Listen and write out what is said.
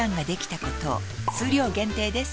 数量限定です